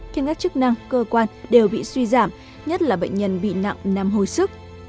khiến các chức năng cơ quan đều bị suy giảm nhất là bệnh nhân bị nặng nằm hồi sức